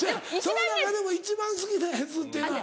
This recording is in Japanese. その中でも一番好きなやつっていうのは？